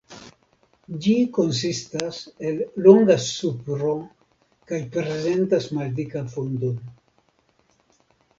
Ĝi konsistas el longa supro kaj prezentas maldikan fundon.